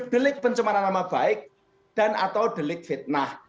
delik pencemaran nama baik dan atau delik fitnah